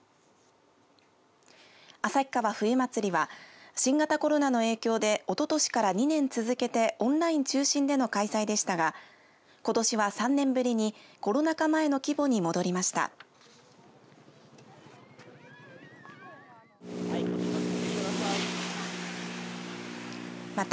旭川冬まつりは新型コロナの影響でおととしから２年続けてオンライン中心での開催でしたがことしは３年ぶりにコロナ禍前の規模に戻りました。